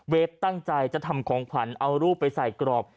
ตั้งใจจะทำของขวัญเอารูปไปใส่กรอบ